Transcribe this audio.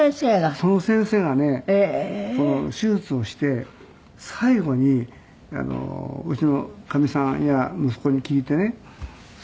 その先生がね手術をして最後にうちのかみさんやら息子に聞いてね